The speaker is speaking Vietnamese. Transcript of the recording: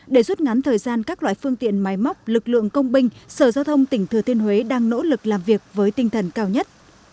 để rút ngắn thời gian các loại phương tiện máy móc lực lượng công binh sở giao thông tỉnh thừa thiên huế đang nỗ lực làm việc với tinh thần cao nhất